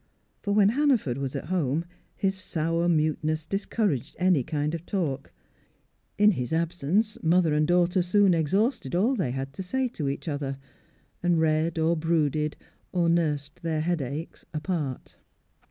For when Hannaford was at home, his sour muteness discouraged any kind of talk; in his absence, mother and daughter soon exhausted all they had to say to each other, and read or brooded or nursed their headaches apart.